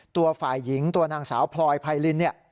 ตัวฝ่ายหญิงตัวนางสาวพลอยพายลิน